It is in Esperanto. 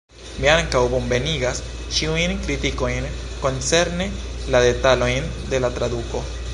Mi ankaŭ bonvenigas ĉiujn kritikojn koncerne la detalojn de la traduko.